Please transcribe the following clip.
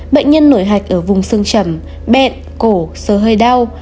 bệnh nhân nổi hạch ở vùng xương chẩm bẹn cổ sơ hơi đau